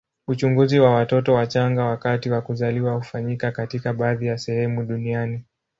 Uchunguzi wa watoto wachanga wakati wa kuzaliwa hufanyika katika baadhi ya sehemu duniani.